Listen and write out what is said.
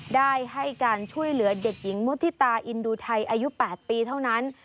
ได้ให้การช่วยเหลือเด็กหญิงมุฒิตาอินดูไทยอายุ๘ปีเท่านั้น